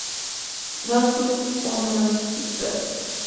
Northwestern University Press.